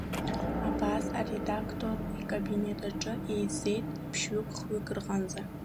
Абас аредактор икабинет аҿы еизеит ԥшьҩык-хәҩык рҟынӡа.